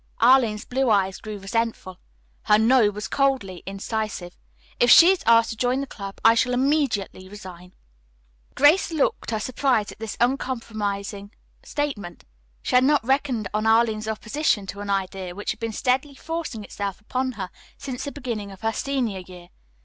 Arline's blue eyes grew resentful. Her "no" was coldly incisive. "If she is asked to join the club, I shall immediately resign." Grace looked her surprise at this uncompromising statement. She had not reckoned on Arline's opposition to an idea which had been steadily forcing itself upon her since the beginning of her senior year.